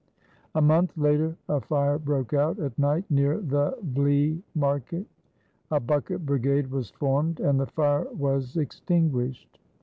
A month later a fire broke out at night near the Vlei Market. A bucket brigade was formed and the fire was extinguished.